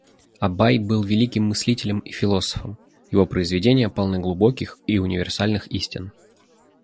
Абай был великим мыслителем и философом, его произведения полны глубоких и универсальных истин.